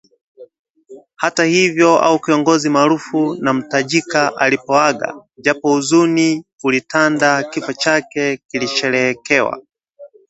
Hata hivyo au kiongozi maarufu na mtajika alipoaga, japo huzuni ulitanda, kifo chake kilisherehekewa